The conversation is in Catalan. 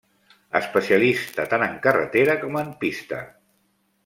Especialista tant en carretera com en pista.